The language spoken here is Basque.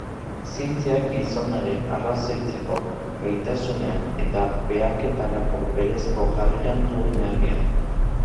Zientziak gizonaren arrazoitzeko gaitasunean eta behaketarako berezko jarreran du oinarria.